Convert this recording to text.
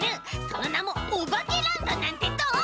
そのなも「おばけランド」なんてどう？